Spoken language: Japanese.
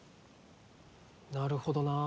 なるほどなぁ。